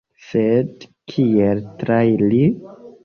Sed kiel trairi?